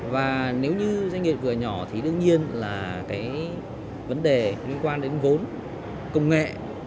và nếu như doanh nghiệp vừa nhỏ thì đương nhiên là cái vấn đề liên quan đến vốn công nghệ